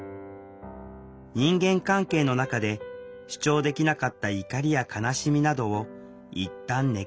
人間関係の中で主張できなかった怒りや悲しみなどをいったん寝かせる。